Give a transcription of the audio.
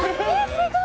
すごい！